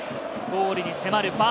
ゴールに迫る。